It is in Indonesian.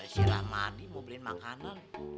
si rahmadi mau beliin makanan